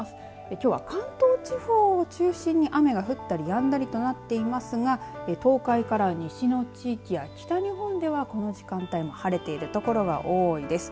きょうは関東地方を中心に雨が降ったりやんだりとなっていますが東海から西の地域や北日本ではこの時間帯も晴れている所が多いです。